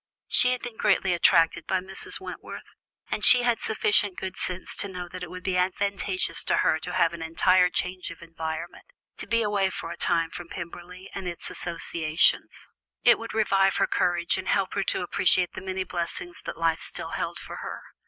She had been greatly attracted by Mrs. Wentworth, and she had sufficient good sense to know that it would be advantageous to her to have an entire change of environment, to be away for a time from Pemberley, and its associations. It would revive her courage, and help her to appreciate the many blessings that life still held for her.